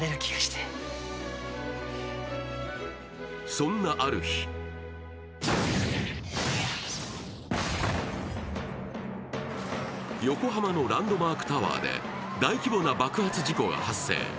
そんなある日横浜のランドマークタワーで大規模な爆発事故が発生。